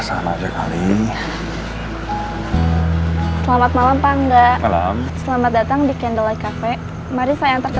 selamat malam pangga selamat datang di candlelight cafe mari saya antar ke